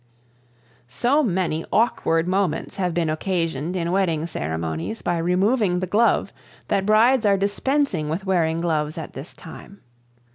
So many awkward moments have been occasioned in wedding ceremonies by removing the glove that brides are dispensing with wearing gloves at this time.